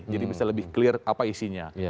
jadi bisa lebih clear apa isinya